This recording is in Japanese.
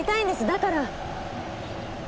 だから。